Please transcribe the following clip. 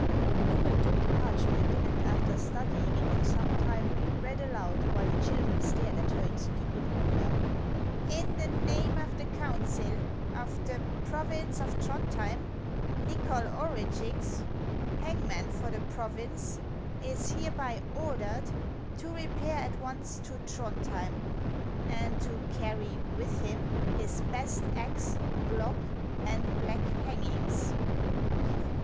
The woman took the parchment, and after studying it for some time, read aloud, while the children stared at her in stupid wonder :" In the name of the Council of the province of Throndhjem, Nychol Orugix, hangman for the province, is hereby ordered to repair at once to Thrond hjem, and to carry with him his best axe, block, and black hangings."